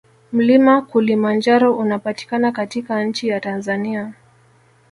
Mlima kulimanjaro unapatikana katika nchi ya Tanzania